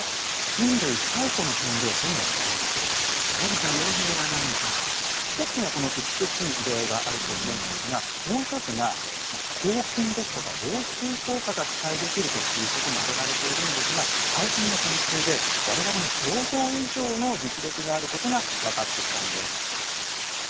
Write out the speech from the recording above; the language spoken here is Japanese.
ただ一つにはこの美しい色合いがあると思うんですがもう一つが抗菌ですとか防臭効果が期待できるということも挙げられているんですが最新の研究で我々の想像以上の実力があることが分かってきたんです。